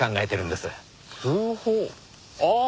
ああ！